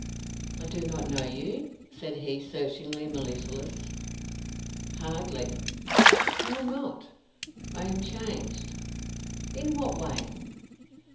"I do not know you?" said he, searchingly mellifluous. "Hardly." "How not?" "I am changed." "In what way?"